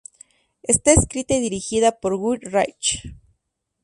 Está escrita y dirigida por Guy Ritchie.